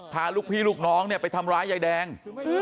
พาลูกพี่ลูกน้องไปทำร้ายใยแดง